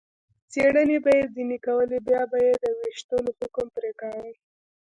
څېړنې به یې ځنې کولې، بیا به یې د وېشتلو حکم پرې کاوه.